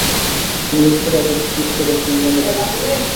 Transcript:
তিনি মৃত্যুর আগে পিটকে দেখতে ইংল্যান্ডে পৌঁছেছিলেন।